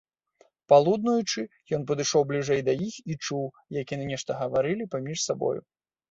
Палуднуючы, ён падышоў бліжэй да іх і чуў, як яны нешта гаварылі паміж сабою.